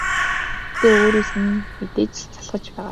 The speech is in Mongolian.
Гэхдээ өөрөөс нь мэдээж залхаж л байгаа.